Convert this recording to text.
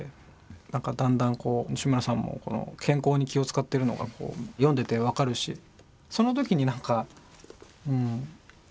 なんかだんだん西村さんも健康に気を遣ってるのが読んでて分かるしその時になんかうん。